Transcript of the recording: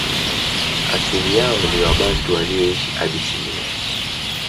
Asili yao ni Wabantu walioishi Abysinia